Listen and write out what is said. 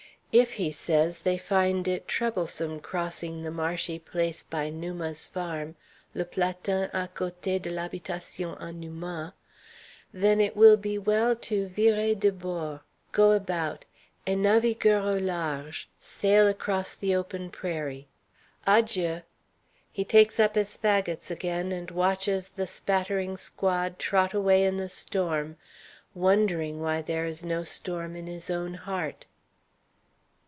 If, he says, they find it troublesome crossing the marshy place by Numa's farm, le platin à coté d' l'habitation à Numa, then it will be well to virer de bord go about, et naviguer au large sail across the open prairie. "Adjieu." He takes up his fagots again, and watches the spattering squad trot away in the storm, wondering why there is no storm in his own heart.